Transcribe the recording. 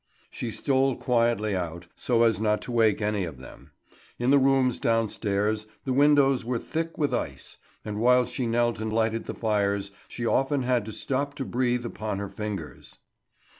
She stole quietly out, so as not to wake any of them. In the rooms downstairs the windows were thick with ice; and while she knelt and lighted the fires, she often had to stop to breathe upon her fingers.